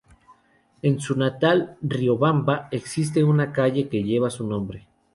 En su natal Riobamba, existe una calle que lleva su nombre.